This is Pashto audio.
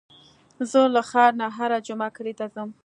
زه له ښار نه هره جمعه کلي ته ځم.